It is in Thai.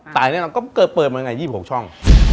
ตายแน่นอนก็เกิดเปิดมันยังไง๒๖ช่อง